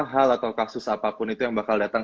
hal atau kasus apapun itu yang bakal datang